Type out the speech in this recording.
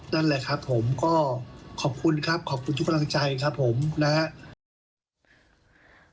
นั่นแหละครับผมก็ขอบคุณครับขอบคุณทุกกำลังใจครับผมนะครับ